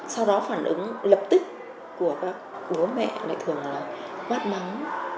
sau đó phản ứng lập tức của các bố mẹ lại thường là quát mắng